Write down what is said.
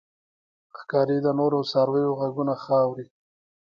ښکاري د نورو څارویو غږونه ښه اوري.